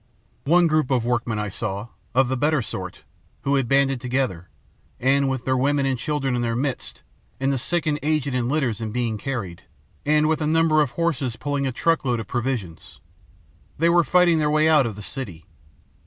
One group of workingmen I saw, of the better sort, who had banded together, and, with their women and children in their midst, the sick and aged in litters and being carried, and with a number of horses pulling a truck load of provisions, they were fighting their way out of the city.